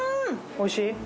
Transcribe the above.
おいしい？